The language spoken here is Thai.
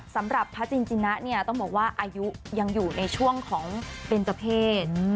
สำหรับพระจินจินะเนี่ยต้องบอกว่าอายุยังอยู่ในช่วงของเบนเจอร์เพศ